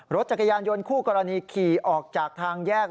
รถจักรยานยนต์คู่กรณีขี่ออกจากทางแยก